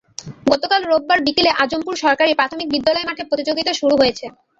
গতকাল রোববার বিকেলে আজমপুর সরকারি প্রাথমিক বিদ্যালয় মাঠে প্রতিযোগিতা শুরু হয়েছে।